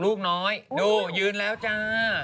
ปล่อยให้เบลล่าว่าง